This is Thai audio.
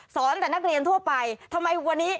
แต่นักเรียนทั่วไปทำไมวันนี้